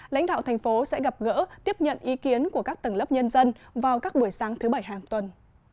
lãnh đạo thành phố sẽ gặp gỡ tiếp nhận ý kiến của các tầng lớp nhân dân vào các buổi sáng thứ bảy hàng tuần